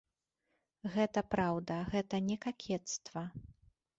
Гэта праўда, гэта не какецтва.